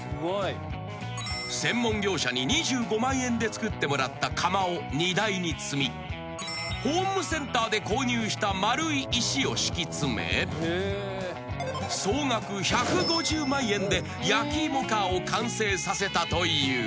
［専門業者に２５万円で造ってもらったかまを荷台に積みホームセンターで購入した丸い石を敷き詰め総額１５０万円で焼き芋カーを完成させたという］